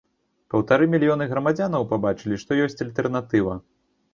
Паўтары мільёны грамадзянаў пабачылі, што ёсць альтэрнатыва.